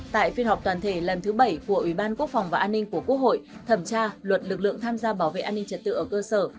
tại phiên họp toàn thể lần thứ bảy của ủy ban quốc phòng và an ninh của quốc hội thẩm tra luật lực lượng tham gia bảo vệ an ninh trật tự ở cơ sở